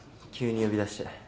急に呼び出して。